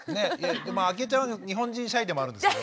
あきえちゃんは日本人シャイでもあるんですけど。